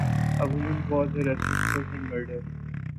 A woman was arrested for her murder.